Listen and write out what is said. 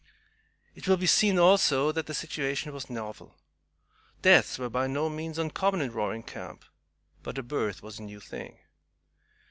It will be seen also that the situation was novel. Deaths were by no means uncommon in Roaring Camp, but a birth was a new thing.